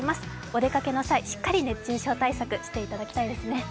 お出かけの際、しっかり熱中症対策していただきたいですね。